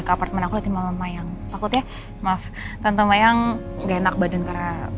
ke apartemen aku lagi mama yang takut ya maaf tante mayang enak badan kera